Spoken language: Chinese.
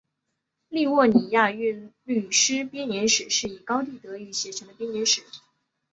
利沃尼亚韵律诗编年史是以高地德语写成的编年史。